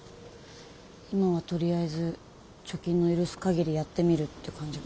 今はとりあえず貯金の許すかぎりやってみるって感じかな。